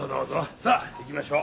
さ行きましょう。